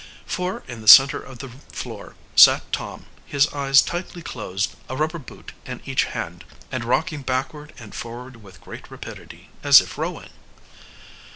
For in the center of the floor sat Tom, his eyes tightly closed, a rubber boot in each hand, and rocking backward and forward with great rapidity, as if rowing.